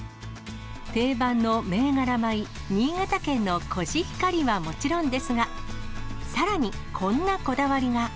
定番の銘柄米、新潟県のコシヒカリはもちろんですが、さらに、こんなこだわりが。